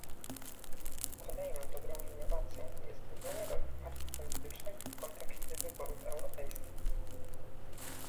Kolejną dobrą innowacją jest uznanie roli partii politycznych w kontekście wyborów europejskich